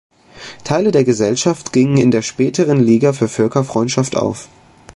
Teile der Gesellschaft gingen in der späteren Liga für Völkerfreundschaft auf.